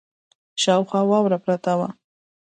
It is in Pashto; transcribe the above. شاوخوا واوره پرته وه.